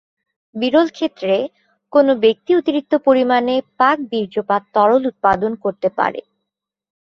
বিরল ক্ষেত্রে, কোনও ব্যক্তি অতিরিক্ত পরিমাণে প্রাক-বীর্যপাত তরল উৎপাদন করতে পারে।